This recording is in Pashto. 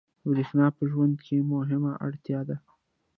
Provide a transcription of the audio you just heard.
برېښنا په ژوند کې مهمه اړتیا ده.